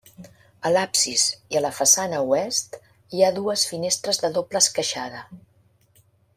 A l'absis i a la façana oest hi ha dues finestres de doble esqueixada.